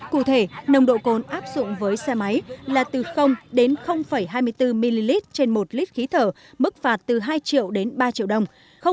cụ thể nồng độ cồn áp dụng với xe máy là từ đến hai mươi bốn ml trên một lít khí thở mức phạt từ hai triệu đến ba triệu đồng